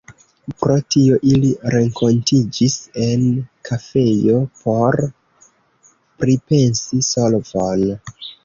Pro tio ili renkontiĝis en kafejo por pripensi solvon.